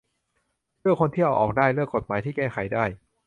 เลือกคนที่เอาออกได้ เลือกกฎหมายที่แก้ไขได้